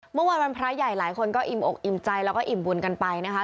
วันพระใหญ่หลายคนก็อิ่มอกอิ่มใจแล้วก็อิ่มบุญกันไปนะคะ